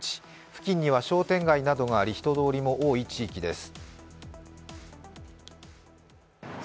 付近には商店街などがあり人通りも多い地域です。